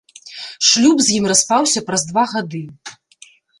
Шлюб з ім распаўся праз два гады.